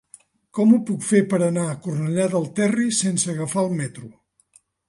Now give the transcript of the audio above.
Com ho puc fer per anar a Cornellà del Terri sense agafar el metro?